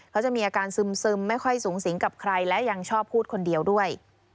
เขาจะมีอาการซึมไม่ค่อยสูงสิงกับใครและยังชอบพูดคนเดียวด้วย